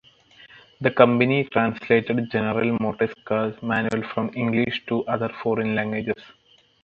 The company translated General Motors car manual from English to other foreign languages.